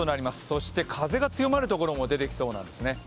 そして風が強まるところも出てきそうなんです。